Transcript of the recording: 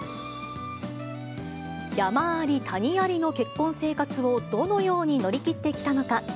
山あり谷ありの結婚生活をどのように乗り切ってきたのか。